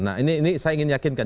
nah ini saya ingin yakinkan